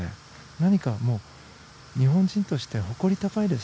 何か日本人として誇り高いです。